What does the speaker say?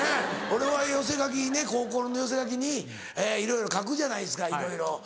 俺は寄せ書きにね高校の寄せ書きにいろいろ書くじゃないですかいろいろ。